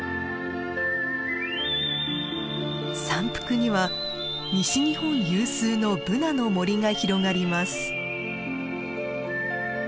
山腹には西日本有数のブナの森が広がります。